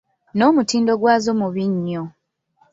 N’omutindo gwazo mubi nnyo.